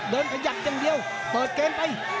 เดินประหยัดอย่างเดียวเปิดเกมไป